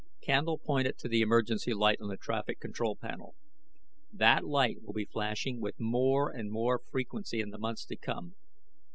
Candle pointed to the emergency light on the traffic control panel. "That light will be flashing with more and more frequency in the months to come.